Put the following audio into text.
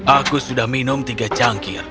aku sudah minum tiga cangkir